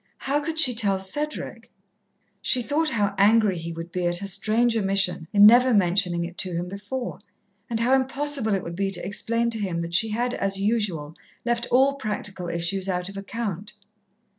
How could she tell Cedric? She thought how angry he would be at her strange omission in never mentioning it to him before, and how impossible it would be to explain to him that she had, as usual, left all practical issues out of account.